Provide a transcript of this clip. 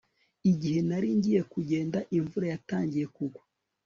Igihe nari ngiye kugenda imvura yatangiye kugwa